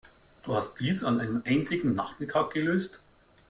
Du hast dies an einem einzigen Nachmittag gelöst?